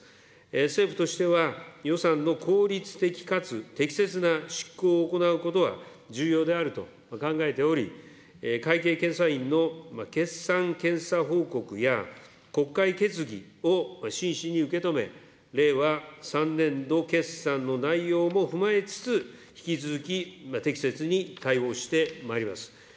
政府としては、予算の効率的かつ適切な執行を行うことは重要であると考えており、会計検査院の決算検査報告や、国会決議を真摯に受け止め、令和３年度決算の内容も踏まえつつ、引き続き適切に対応してまいります。